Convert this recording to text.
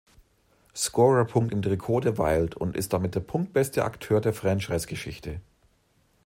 Scorerpunkt im Trikot der Wild und ist damit der punktbeste Akteur der Franchise-Geschichte.